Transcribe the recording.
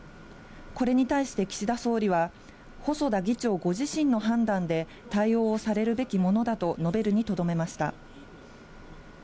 これに対して岸田総理は、細田議長ご自身の判断で対応されるべきものだと述べるにとどめま